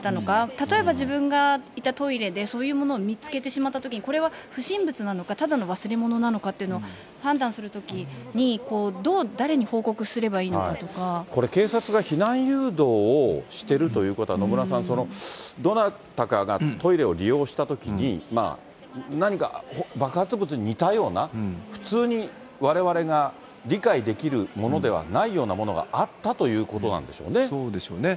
例えば、自分がいたトイレでそういうものを見つけてしまったときに、これは不審物なのか、ただの忘れ物なのかというのを判断するときに、どう、誰に報告すこれ、警察が避難誘導をしてるということは、野村さん、どなたかがトイレを利用したときに、何か爆発物に似たような、普通にわれわれが理解できるものではないようなものがあったといそうでしょうね。